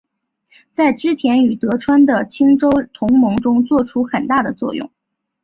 在织田与德川的清洲同盟中作出很大的作用。